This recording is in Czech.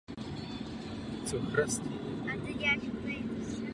Velitelem námořní pěchoty byl generálporučík Le Nguyen Chang.